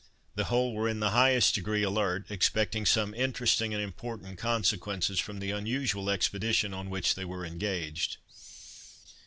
The whole were in the highest degree alert, expecting some interesting and important consequences from the unusual expedition on which they were engaged.